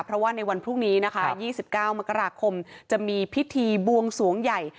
เพราะว่าในวันพรุ่งนี้นะคะ๒๙มกราคมจะมีพิธีบวงสวงใหญ่